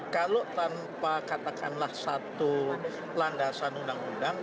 kalau tanpa katakanlah satu landasan undang undang